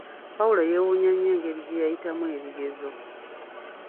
Pawulo yeewunya nnyo engeri gye yayitamu ebigezo.